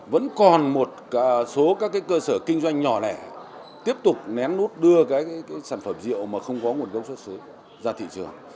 vẫn còn một số các cơ sở kinh doanh nhỏ lẻ tiếp tục nén lút đưa cái sản phẩm rượu mà không có nguồn gốc xuất xứ ra thị trường